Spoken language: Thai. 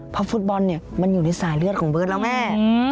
เพราะฟุตบอลเนี่ยมันอยู่ในสายเลือดของเบิร์ตแล้วแม่